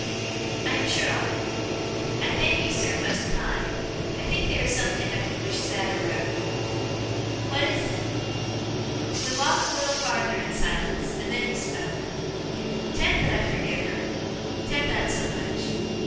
'I am sure on't. I thankee, sir, most kind! I think theer is something I could wish said or wrote.' 'What is it?' We walked a little farther in silence, and then he spoke. ''Tan't that I forgive her. 'Tan't that so much.